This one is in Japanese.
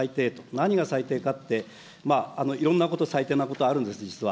何が最低かって、いろんなこと、最低なことあるんです、実は。